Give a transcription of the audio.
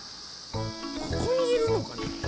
ここにいるのかな？